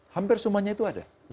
hampir semuanya itu ada